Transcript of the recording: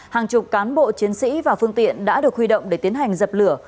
hàng chục cán bộ chiến sĩ và phương tiện đã được huy động để tiến hành dập lửa